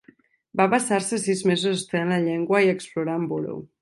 Va passar-se sis mesos estudiant la llengua i explorant Buru.